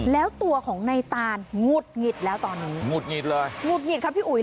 แล้วตัวของในตานหงุดหงิดแล้วตอนนี้หงุดหงิดเลยหงุดหงิดครับพี่อุ๋ย